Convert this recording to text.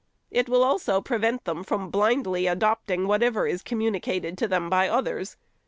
It will also prevent them from blindly adopting whatever is communicated to them by others.